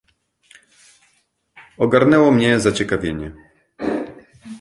"Ogarnęło mnie zaciekawienie."